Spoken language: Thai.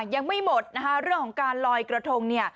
ยังไม่หมดนะคะเรื่องของการลอยกระทง